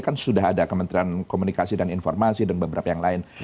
kan sudah ada kementerian komunikasi dan informasi dan beberapa yang lain